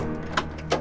bagi millet perempuan